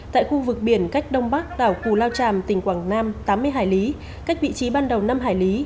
tại khu vực biển cách đông bắc đảo cù lao tràm tỉnh quảng nam tám mươi hải lý cách vị trí ban đầu năm hải lý